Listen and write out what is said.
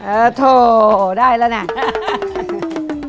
เออโทษได้แล้วเนี่ย